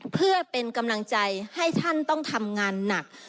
เพื่อเป็นกำลังใจให้ท่านต้องทำงานหนัก